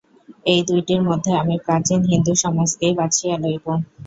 এই দুইটির মধ্যে আমি প্রাচীন হিন্দু-সমাজকেই বাছিয়া লইব।